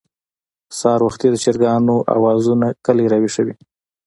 سهار وختي د چرګانو اوازونه کلى راويښوي.